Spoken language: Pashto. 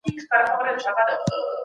ایا انسان د خدای استازی کیدای سي؟